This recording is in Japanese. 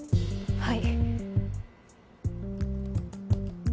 はい。